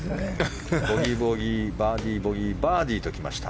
ボギー、ボギー、バーディーボギー、バーディーと来ました。